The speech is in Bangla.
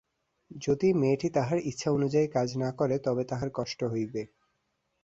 যদি মেয়েটি তাহার ইচ্ছা অনুযায়ী কাজ না করে, তবে তাহার কষ্ট হইবে।